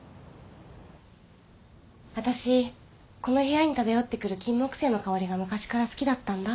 あたしこの部屋に漂ってくるキンモクセイの香りが昔から好きだったんだ。